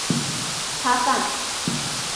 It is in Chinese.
恰饭